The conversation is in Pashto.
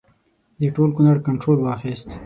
د ټول کنړ کنټرول واخیست.